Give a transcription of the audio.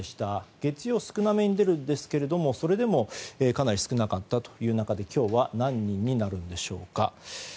月曜は少なめに出るんですがそれでもかなり少なかったという中で今日は何人になるんでしょうか。